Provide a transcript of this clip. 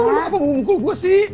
lo apa mau bukul gue sih